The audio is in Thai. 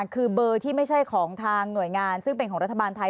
คือเบอร์ที่ไม่ใช่ของทางหน่วยงานซึ่งเป็นของรัฐบาลไทย